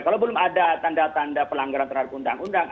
kalau belum ada tanda tanda pelanggaran terhadap undang undang